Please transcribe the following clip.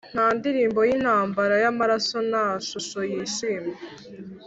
nta ndirimbo y'intambara yamaraso, nta shusho yishimye